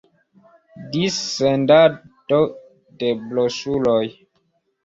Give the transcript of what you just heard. Dissendado de broŝuroj.